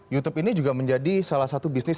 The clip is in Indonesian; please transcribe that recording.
youtube ini juga menjadi salah satu bisnis